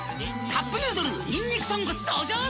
「カップヌードルにんにく豚骨」登場！